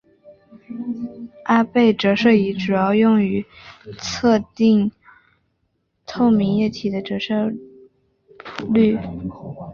阿贝折射仪主要用于测定透明液体的折射率。